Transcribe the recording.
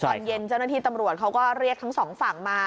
ตอนเย็นเจ้าหน้าที่ตำรวจเขาก็เรียกทั้งสองฝั่งมา